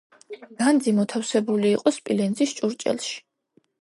განძი მოთავსებული იყო სპილენძის ჭურჭელში.